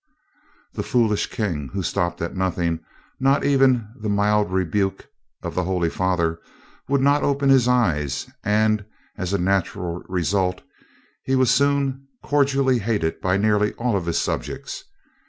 The foolish king, who stopped at nothing, not even the mild rebuke of the holy father, would not open his eyes, and as a natural result he was soon cordially hated by nearly all his subjects.